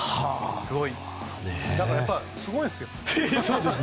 だから、やっぱりすごいんですよ。